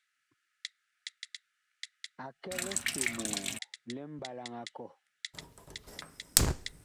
A kɛ lisomoo li mɓalaŋ a kɔh.